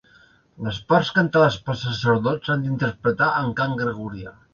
Les parts cantades pel sacerdot s'han d'interpretar en cant gregorià.